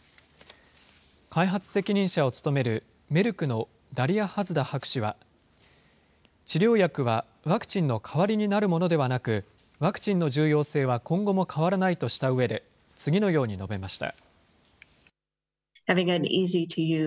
開発責任者を務める、メルクのダリア・ハズダ博士は、治療薬はワクチンの代わりになるものではなく、ワクチンの重要性は今後も変わらないとしたうえで、次のように述べました。